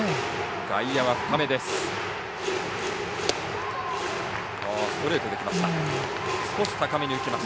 外野は深めです。